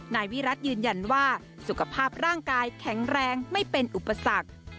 นายวิรัติยืนยันว่าสุขภาพร่างกายแข็งแรงไม่เป็นอุปสรรค